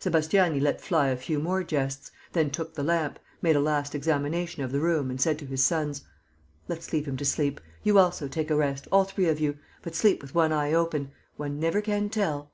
Sébastiani let fly a few more jests, then took the lamp, made a last examination of the room and said to his sons: "Let's leave him to sleep. You also, take a rest, all three of you. But sleep with one eye open. One never can tell...."